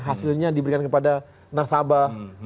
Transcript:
akhirnya diberikan kepada nasabah